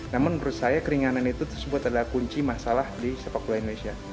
namun menurut saya keringanan itu tersebut adalah kunci masalah di sepak bola indonesia